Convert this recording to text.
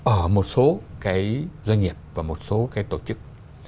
ở một số cái doanh nghiệp và một số cái tổ chức